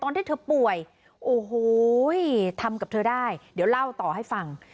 ที่เธอป่วยโอ้โหทำกับเธอได้เดี๋ยวเล่าต่อให้ฟัง